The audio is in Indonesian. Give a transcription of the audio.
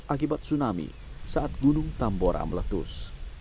akibat tsunami saat gunung tambora meletus